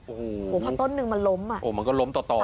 โอ้โหพอต้นนึงมันล้มอ่ะโอ้มันก็ล้มต่อต่อ